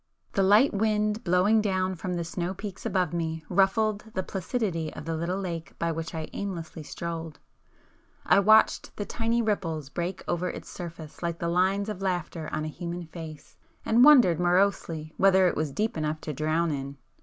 The light wind blowing down from the snow peaks above me ruffled the placidity of the little lake by which I aimlessly strolled,—I watched the tiny ripples break over its surface like the lines of laughter on a human face, and wondered morosely whether it was deep enough to drown in!